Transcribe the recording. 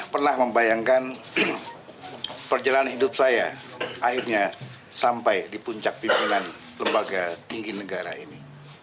pernah membayangkan perjalanan hidup saya akhirnya sampai di puncak pimpinan lembaga tinggi negara ini